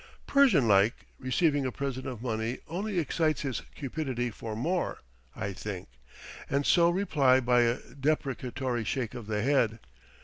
"Persian like, receiving a present of money only excites his cupidity for more," I think; and so reply by a deprecatory shake of the head.